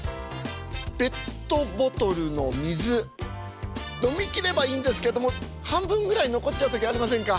ペットボトルの水飲み切ればいいんですけども半分ぐらい残っちゃう時ありませんか？